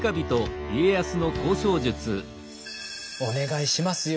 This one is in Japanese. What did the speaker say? お願いしますよ。